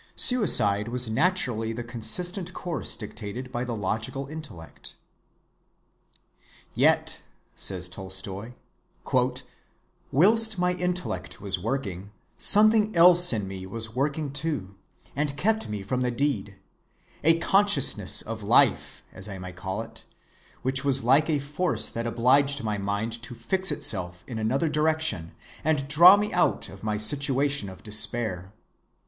Suicide was naturally the consistent course dictated by the logical intellect. "Yet," says Tolstoy, "whilst my intellect was working, something else in me was working too, and kept me from the deed—a consciousness of life, as I may call it, which was like a force that obliged my mind to fix itself in another direction and draw me out of my situation of despair....